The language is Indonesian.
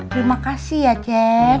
terima kasih ya acing